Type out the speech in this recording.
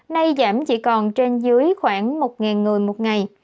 nay giảm chỉ còn trên dưới khoảng một người một ngày